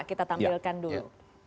kita tampilkan dulu